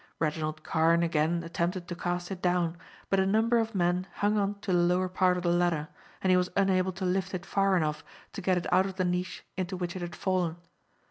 Reginald Carne again attempted to cast it down, but a number of men hung on to the lower part of the ladder, and he was unable to lift it far enough to get it out of the niche into which it had fallen.